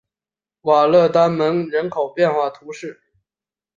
瓦勒丹门人口变化图示